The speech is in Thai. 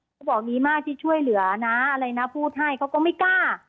เขาบอกดีมากที่ช่วยเหลือนะอะไรนะพูดให้เขาก็ไม่กล้า